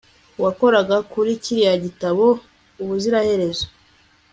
Wakoraga kuri kiriya gitabo ubuziraherezo